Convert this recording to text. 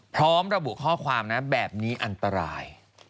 พร้อมระบุข้อความนะแบบนี้อันตราย